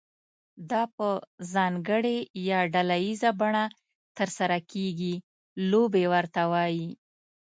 دا په ځانګړې یا ډله ییزه بڼه ترسره کیږي لوبې ورته وایي.